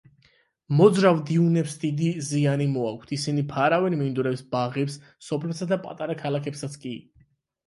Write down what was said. მოძრავ დიუნებს დიდი ზიანი მოაქვთ: ისინი ფარავენ მინდვრებს, ბაღებს, სოფლებსა და პატარა ქალაქებსაც კი.